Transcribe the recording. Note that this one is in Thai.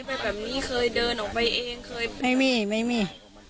ไปเองล่ะค่ะไม่มีไม่มี